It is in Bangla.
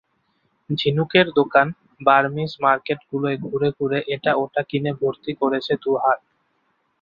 ঝিনুকের দোকান, বার্মিজ মার্কেটগুলোয় ঘুরে ঘুরে এটা-ওটা কিনে ভর্তি করেছে দুহাত।